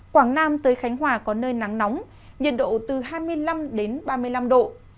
quảng nam tới khánh hòa có nơi nắng nóng nhiệt độ từ hai mươi năm đến ba mươi năm độ